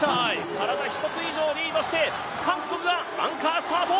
体１以上リードして韓国がスタート。